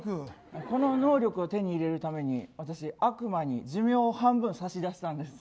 この能力を手に入れるために私、悪魔に寿命を半分差し出したんです。